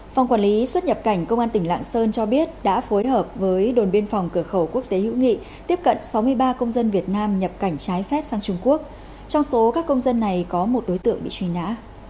phòng quản lý xuất nhập cảnh công an tỉnh lạng sơn cho biết đã phối hợp với đồn biên phòng cửa khẩu quốc tế hữu nghị tiếp cận sáu mươi ba công dân việt nam nhập cảnh trái phép sang trung quốc trong số các công dân này có một đối tượng bị truy nã